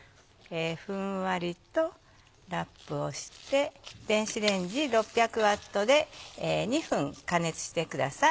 ふんわりとラップをして電子レンジ６００Ｗで２分加熱してください。